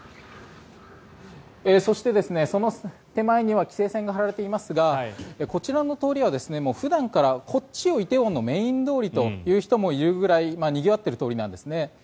そして、その手前には規制線が張られていますがこちらの通りは普段からこっちを梨泰院のメイン通りと言う人もいるくらいにぎわっている通りなんですね。